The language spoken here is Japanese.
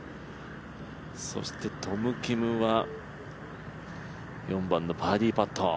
そしてトム・キムは４番のバーディーパット。